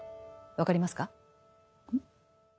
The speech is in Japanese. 分かりますか？